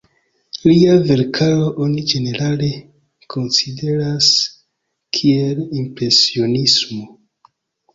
Lia verkaro oni ĝenerale konsideras kiel impresionismo.